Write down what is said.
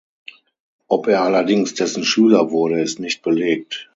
Ob er allerdings dessen Schüler wurde, ist nicht belegt.